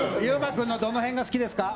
君のどの辺が好きですか？